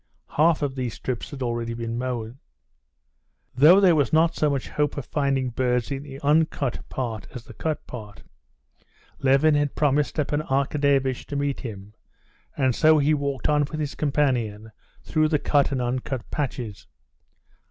Half of these strips had already been mown. Though there was not so much hope of finding birds in the uncut part as the cut part, Levin had promised Stepan Arkadyevitch to meet him, and so he walked on with his companion through the cut and uncut patches.